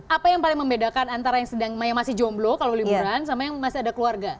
apa yang paling membedakan antara yang sedang maya masih jomblo kalau liburan sama yang masih ada keluarga